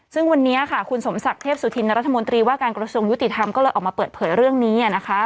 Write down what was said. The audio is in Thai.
ซึ่งวันนี้ค่ะคุณสมศักดิ์เทพสุธินรัฐมนตรีว่าการกระทรวงยุติธรรมก็เลยออกมาเปิดเผยเรื่องนี้นะคะ